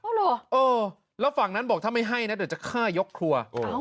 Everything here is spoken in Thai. เหรอเออแล้วฝั่งนั้นบอกถ้าไม่ให้นะเดี๋ยวจะฆ่ายกครัว